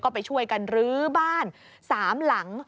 ก็ไปช่วยกันรื้อบ้าน๓หลัง